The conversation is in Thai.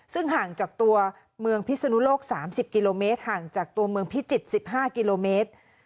ซึ่งห่างจากตัวเมืองพิศนุโลก๓๐กิโลเมตรห่างจากตัวเมืองพิจิตร๑๕กิโลเมตร